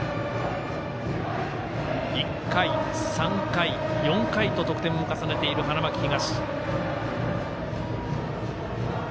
１回、３回、４回と得点を重ねている花巻東。